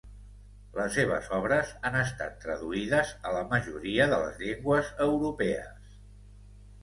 Les seves obres han estat traduïdes a la majoria de les llengües europees.